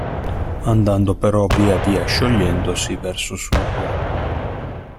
Andando però via via sciogliendosi verso sud.